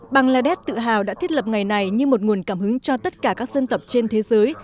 bangladesh tự hào đã thiết lập ngày này như một nguồn cảm hứng cho tất cả các dân tộc trên thế giới